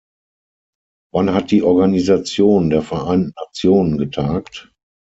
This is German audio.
Wann hat die Organisation der Vereinten Nationen getagt?